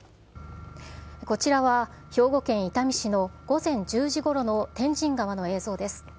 こちらは、兵庫県伊丹市の午前１０時ごろのてんじん川の映像です。